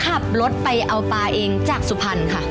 ขับรถไปเอาปลาเองจากสุพรรณค่ะ